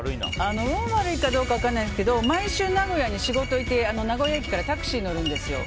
運が悪いかどうか分からないんですけど毎週名古屋に仕事に行って名古屋駅からタクシーに乗るんですよ。